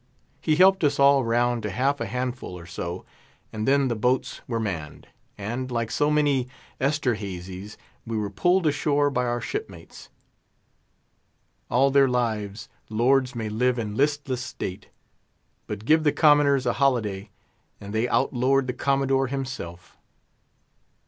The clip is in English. He helped us all round to half a handful or so, and then the boats were manned, and, like so many Esterhazys, we were pulled ashore by our shipmates. All their lives lords may live in listless state; but give the commoners a holiday, and they outlord the Commodore himself.